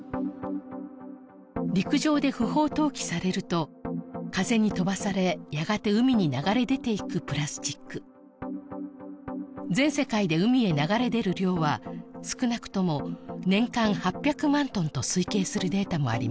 陸上で不法投棄されると風に飛ばされやがて海に流れ出ていくプラスチック全世界で海へ流れ出る量は少なくとも年間８００万トンと推計するデータもあります